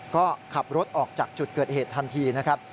ก็ขับรถออกจากจุดเกิดเหตุทันทีนะครับ